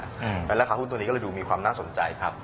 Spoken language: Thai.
และราคาหุ้นตัวนี้ก็เลยดูมีความน่าสนใจครับ